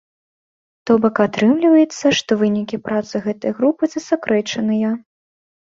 То бок атрымліваецца, што вынікі працы гэтай групы засакрэчаныя.